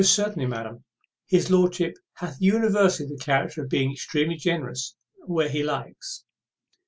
certainly, madam, his lordship hath universally the character of being extremely generous where he likes."